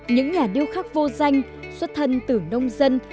những nhà điêu khắc vô danh xuất thân từ nông dân